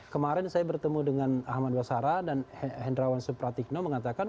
kemarin saya bertemu dengan ahmad basara dan hendrawan supratikno mengatakan